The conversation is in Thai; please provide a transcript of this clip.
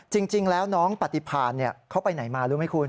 จริงแล้วน้องปฏิพานเขาไปไหนมารู้ไหมคุณ